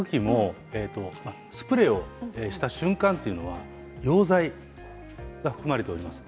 スプレーをした瞬間は溶剤が含まれています。